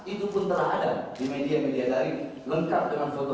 itu pun telah ada di media media daring lengkap dengan foto